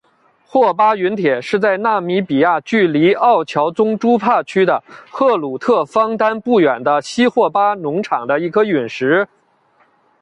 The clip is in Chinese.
霍巴陨铁是在纳米比亚距离奥乔宗朱帕区的赫鲁特方丹不远的西霍巴农场的一颗陨石。